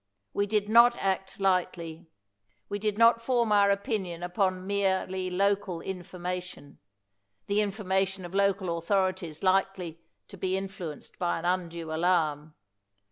We did not act lightly. We did not form our opinion upon merely local in formation — the information of local authorities likely to be influenced by an undue alarm.